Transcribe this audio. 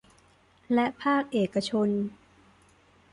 และภาคเอกชน